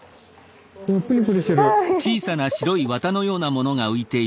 プニプニしてる！